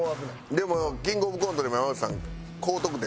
でもキングオブコントでも山内さん高得点。